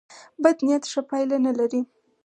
بد نیت ښه پایله نه لري.